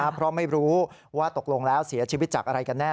เพราะไม่รู้ว่าตกลงแล้วเสียชีวิตจากอะไรกันแน่